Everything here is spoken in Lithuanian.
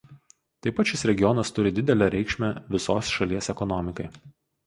Taip pat šis regionas turi didelę reikšmę visos šalies ekonomikai.